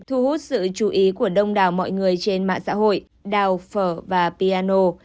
thu hút sự chú ý của đông đảo mọi người trên mạng xã hội đào phở và piano